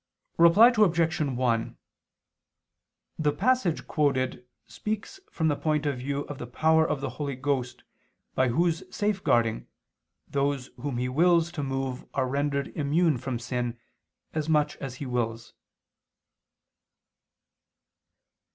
Reply Obj. 1: The passage quoted speaks from the point of view of the power of the Holy Ghost, by Whose safeguarding, those whom He wills to move are rendered immune from sin, as much as He wills.